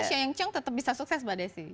sio yang chung tetap bisa sukses mbak desi